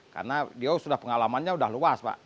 karena dia sudah pengalamannya udah luas pak